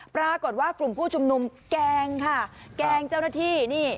ปรากฏว่ากลุ่มผู้ชุมนุมแกล้งค่ะแกล้งเจ้าหน้าที่นี่